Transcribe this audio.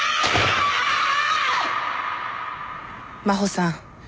真穂さん